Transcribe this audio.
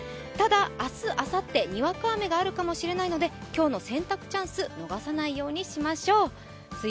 ただ、明日、あさって、にわか雨があるかもしれないので今日の洗濯チャンス、逃さないようにしましょう。